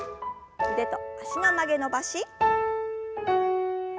腕と脚の曲げ伸ばし。